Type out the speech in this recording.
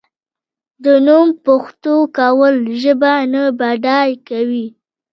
د نوم پښتو کول ژبه نه بډای کوي.